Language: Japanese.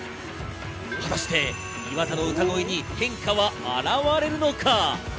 果たして岩田の歌声に変化は現れるのか？